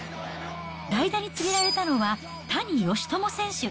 代打に告げられたのは、谷佳知選手。